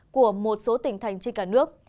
của một số tỉnh thành trên cả nước